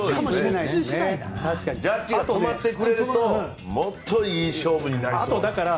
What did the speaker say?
ジャッジが止まってくれるともっといい勝負になりそう。